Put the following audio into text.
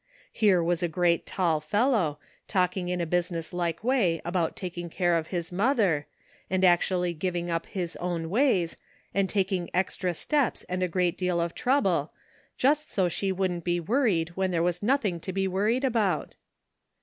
Here was a great tall fellow, talking in a business like way about taking care of his mother, and actually giving up his own ways, and taking extra steps and a great deal of trouble, just so she wouldn't be worried when there was nothing to be worried about.